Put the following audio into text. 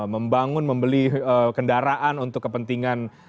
membangun membeli kendaraan untuk kepentingan